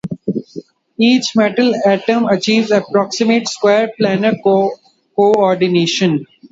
Each metal atom achieves approximate square planar co-ordination.